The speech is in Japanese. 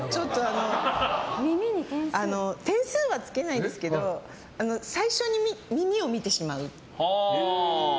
あの点数はつけないんですけど最初に耳を見てしまう。